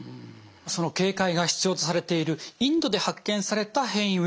警戒が必要とされているインドで発見された変異ウイルス